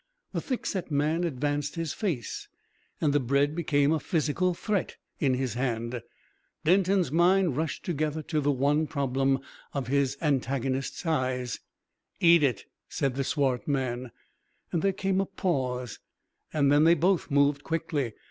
The thickset man advanced his face, and the bread became a physical threat in his hand. Denton's mind rushed together to the one problem of his antagonist's eyes. "Eat it," said the swart man. There came a pause, and then they both moved quickly.